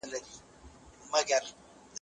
د ذهني ستړیا لومړی پړاو ستړیا دی.